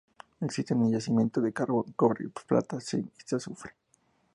Existen yacimientos de Carbón, cobre, plata, zinc y azufre.